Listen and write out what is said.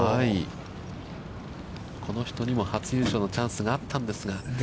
この人にも初優勝のチャンスがあったんですが。